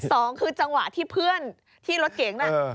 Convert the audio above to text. สองคือจังหวะที่เพื่อนที่รถเก๋งน่ะ